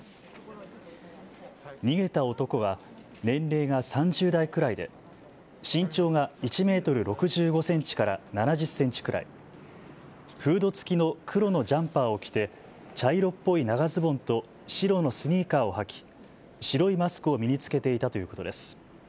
逃げた男は年齢が３０代くらいで身長が１メートル６５センチから７０センチくらい、フード付きの黒のジャンパーを着て茶色っぽい長ズボンと白のスニーカーを履き白いマスクを身に着けていたということです。